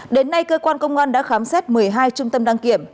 đến nay cơ quan công an đã khám xét một mươi hai trung tâm đăng kiểm